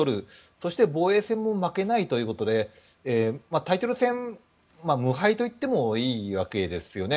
そして、防衛戦も負けないということでタイトル戦、無敗といってもいいわけですよね。